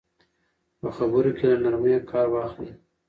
په خبرو کې له نرمۍ کار واخلئ.